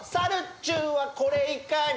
ちゅんはこれいかに？